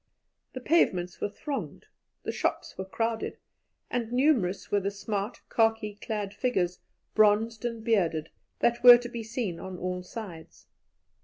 The pavements were thronged, the shops were crowded, and numerous were the smart, khaki clad figures, bronzed and bearded, that were to be seen on all sides.